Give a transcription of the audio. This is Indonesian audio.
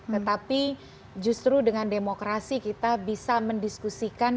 tetapi justru dengan demokrasi kita bisa mendiskusikan